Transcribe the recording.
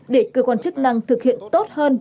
để cơ quan chức năng thực hiện tốt hơn